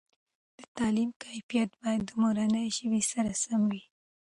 دتعلیم کیفیت باید د مورنۍ ژبې سره سم وي.